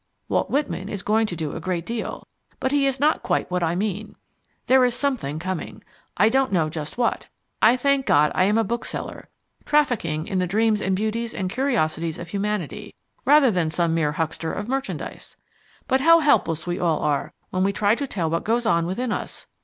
Walt Whitman is going to do a great deal, but he is not quite what I mean. There is something coming I don't know just what! I thank God I am a bookseller, trafficking in the dreams and beauties and curiosities of humanity rather than some mere huckster of merchandise. But how helpless we all are when we try to tell what goes on within us!